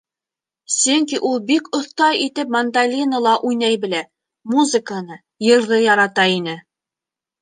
Сөнки ул бик оҫта итеп мандолинала уйнай белә, музыканы, йырҙы ярата ине.